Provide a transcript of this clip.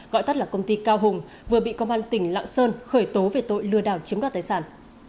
gọi tắt là công ty cao hùng vừa bị công an tỉnh lạng sơn khởi tố về tội lừa đảo chiếm đoạt tài sản